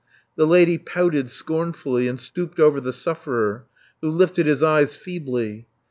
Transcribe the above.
The lady pouted scornfully and stooped over the sufferer, who lifted his eyes feebly.